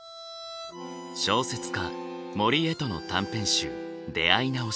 小説家森絵都の短編集「出会いなおし」。